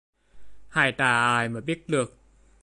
Hai ta ai biết được